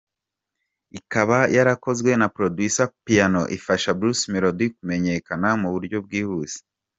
Ikaba yarakozwe na Producer Piano, ifasha Bruce Melodie kumenyekana mu buryo bwihuse.